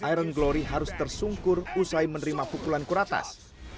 iron glory harus tersungkur usai menerima pukulan kuratas